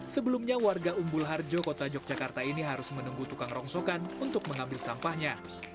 sebelumnya warga umbul harjo kota yogyakarta ini harus menunggu tukang rongsokan untuk mengambil sampahnya